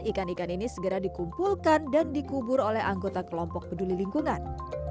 ikan ikan ini segera dikumpulkan dan dikubur oleh anggota kelompok peduli lingkungan